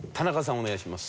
お願いします。